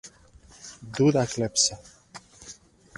Dur de clepsa.